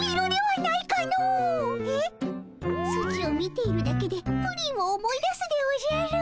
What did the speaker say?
ソチを見ているだけでプリンを思い出すでおじゃる。